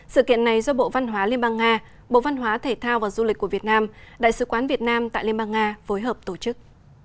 sự kiện này do bộ văn hóa liên bang nga bộ văn hóa thể thao và du lịch của việt nam đại sứ quán việt nam tại liên bang nga phối hợp tổ chức